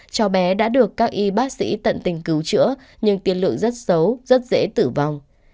cháu bé đã được các y bác sĩ tận tình cứu chữa nhưng tiên lượng rất xấu rất dễ tử vong